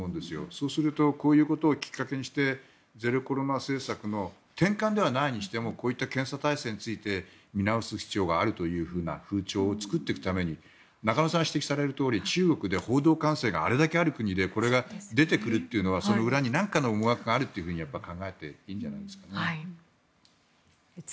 そうするとこういうことをきっかけにしてゼロコロナ政策の転換ではないにしてもこういった検査体制について見直す必要があるというふうな風潮を作っていくために中野さんが指摘されるとおり中国で報道管制があれだけある国でこれが出てくるということはその裏になんかの思惑があると考えていいんじゃないですかね。